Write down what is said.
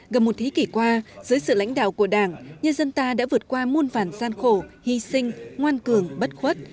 gần một thế kỷ qua dưới sự lãnh đạo của đảng nhân dân ta đã vượt qua muôn vàn gian khổ hy sinh ngoan cường bất khuất